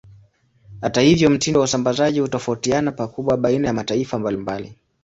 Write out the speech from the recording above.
Hata hivyo, mtindo wa usambazaji hutofautiana pakubwa baina ya mataifa mbalimbali.